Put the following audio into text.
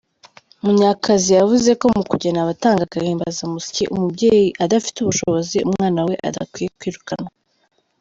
Munyakazi yavuze ko mu kugena abatanga agahimbazamusyi, umubyeyi adafite ubushobozi umwana we adakwiye kwirukanwa.